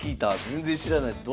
全然知らないです。